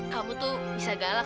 kamu tuh bisa galak